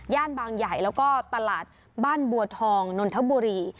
บางใหญ่แล้วก็ตลาดบ้านบัวทองนนทบุรี